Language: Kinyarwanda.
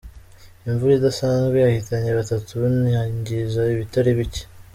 Imvura idasanzwe yahitanye batatu inangiza ibitari bike